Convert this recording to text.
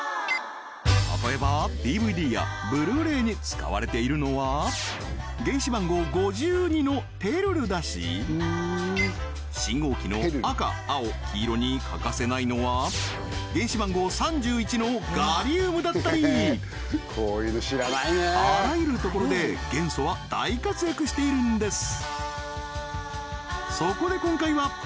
例えばＤＶＤやブルーレイに使われているのは原子番号５２のテルルだし信号機の赤青黄色に欠かせないのは原子番号３１のガリウムだったりあらゆるところで元素は大活躍しているんです